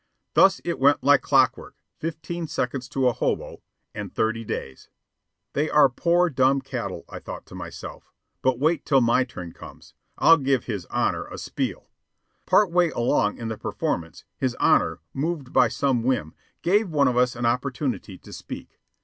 Thus it went like clockwork, fifteen seconds to a hobo and thirty days. They are poor dumb cattle, I thought to myself. But wait till my turn comes; I'll give his Honor a "spiel." Part way along in the performance, his Honor, moved by some whim, gave one of us an opportunity to speak.